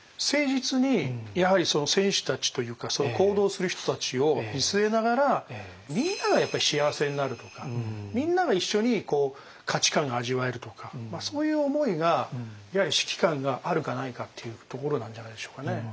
誠実にやはり選手たちというか行動する人たちを見据えながらみんながやっぱり幸せになるとかみんなが一緒に価値観が味わえるとかそういう思いがやはり指揮官があるかないかっていうところなんじゃないでしょうかね。